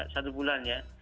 satu bulan ya